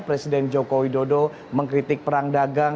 presiden joko widodo mengkritik perang dagang